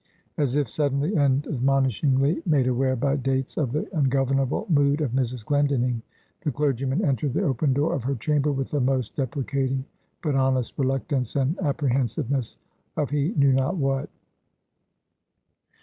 As if suddenly and admonishingly made aware, by Dates, of the ungovernable mood of Mrs. Glendinning, the clergyman entered the open door of her chamber with a most deprecating but honest reluctance, and apprehensiveness of he knew not what.